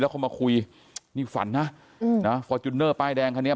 เขามาคุยนี่ฝันนะฟอร์จูเนอร์ป้ายแดงคันนี้